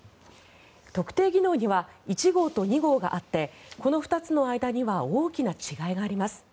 特定技能には１号と２号があってこの２つの間には大きな違いがあります。